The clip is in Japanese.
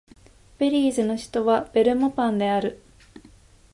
ベリーズの首都はベルモパンである